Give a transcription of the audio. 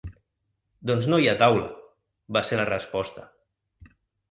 “Doncs no hi ha taula”, va ser la resposta.